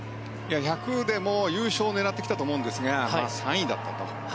１００でも優勝を狙ってきたと思うんですが３位だったと。